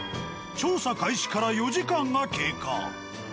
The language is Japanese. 調査開始から４時間が経過。